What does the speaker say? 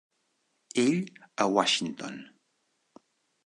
Ell a Washington.